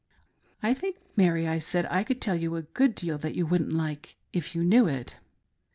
" I think, Mary," I said, " I could tell you a good deal that you wouldn't like if you knew it."